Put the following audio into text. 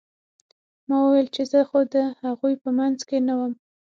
ما وويل چې زه خو د هغوى په منځ کښې نه وم.